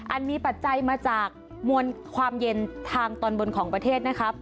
มีปัจจัยมาจากมวลความเย็นทางตอนบนของประเทศนะครับ